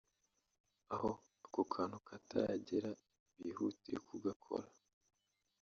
aho aka kantu kataragera bihutire kugakora